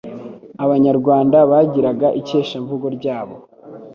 Abanyarwanda bagiraga ikeshamvugo ryabo